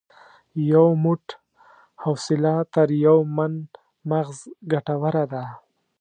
یو موټ حوصله تر یو من مغز ګټوره ده.